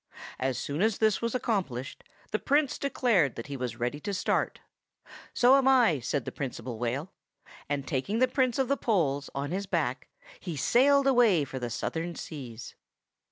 As soon as this was accomplished, the Prince declared that he was ready to start. "So am I," said the Principal Whale. And taking the Prince of the Poles on his back, he sailed away for the Southern seas.